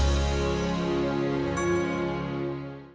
aumento substitutaabel masih gua